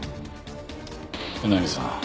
江波さん